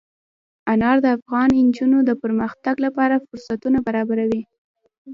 انار د افغان نجونو د پرمختګ لپاره فرصتونه برابروي.